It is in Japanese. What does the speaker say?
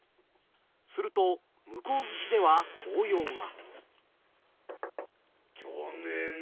すると向こう岸では法要が。